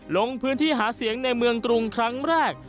ลงพื้นที่หาเสียงในเมืองกรุงครั้งแรก